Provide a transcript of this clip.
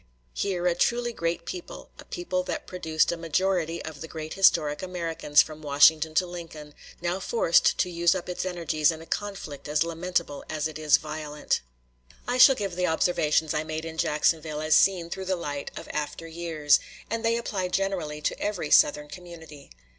Here, a truly great people, a people that produced a majority of the great historic Americans from Washington to Lincoln, now forced to use up its energies in a conflict as lamentable as it is violent. I shall give the observations I made in Jacksonville as seen through the light of after years; and they apply generally to every Southern community.